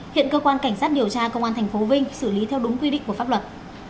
hiện cơ quan cảnh sát điều tra công an tp vinh xử lý theo đúng quy định của pháp luật